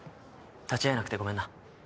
立ち会えなくてごめんな。